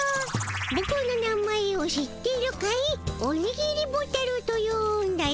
「ぼくの名前を知ってるかい」「おにぎりボタルというんだよ」